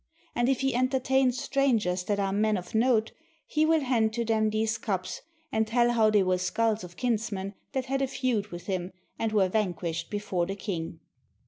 And if he entertain strangers that are men of note, he will hand to them these cups, and tell how they were skulls of kinsmen that had a feud with him and were vanquished before the king.